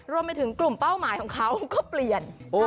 รวมไปถึงกลุ่มเป้าหมายของเขาก็เปลี่ยน